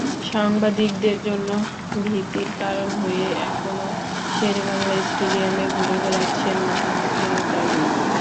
সাংবাদিকদের জন্য ভীতির কারণ হয়ে এখনো শেরেবাংলা স্টেডিয়ামে ঘুরে বেড়াচ্ছেন মোহাম্মদ আলী।